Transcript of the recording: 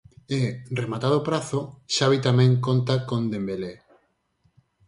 E, rematado o prazo, Xavi tamén conta con Dembelé.